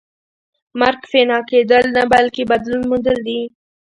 مرګ فنا کېدل نه بلکې بدلون موندل دي